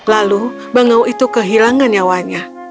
lalu bangau itu kehilangan nyawanya